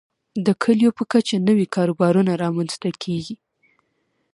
د کليو په کچه نوي کاروبارونه رامنځته کیږي.